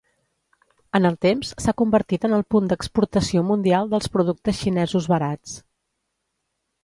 En el temps s'ha convertit en el punt d'exportació mundial dels productes xinesos barats.